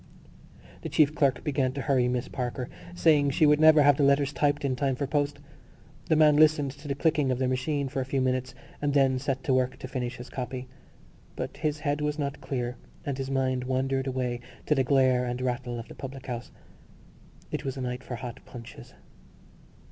The chief clerk began to hurry Miss Parker, saying she would never have the letters typed in time for post. The man listened to the clicking of the machine for a few minutes and then set to work to finish his copy. But his head was not clear and his mind wandered away to the glare and rattle of the public house. It was a night for hot punches.